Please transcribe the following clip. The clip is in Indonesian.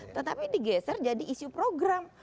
tetapi digeser jadi isu program